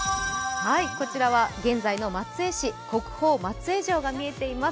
こちらは現在の松江市、国宝・松江城が見えています。